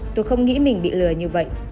tôi không nghĩ mình bị lừa như vậy